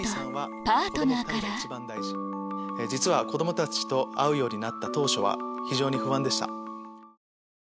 この後「子供たちと会うようになった当初は非常に不安でした」。